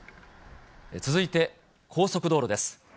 続いて高速道路です。